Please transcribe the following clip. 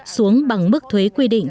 xuống bằng mức thuế quy định